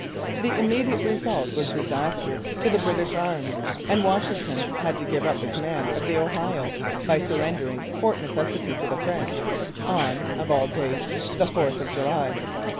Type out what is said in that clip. The immediate result was disastrous to the British arms; and Washington had to give up the command of the Ohio by surrendering Fort Necessity to the French on of all dates the 4th of July!